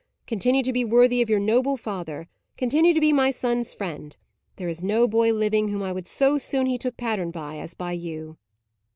Continue to be worthy of your noble father; continue to be my son's friend; there is no boy living whom I would so soon he took pattern by, as by you."